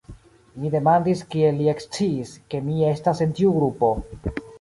Mi demandis, kiel li eksciis, ke mi estas en tiu grupo.